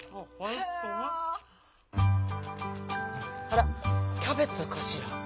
あらキャベツかしら？